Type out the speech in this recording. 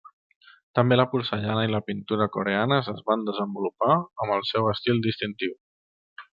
També la porcellana i la pintura coreanes es van desenvolupar amb el seu estil distintiu.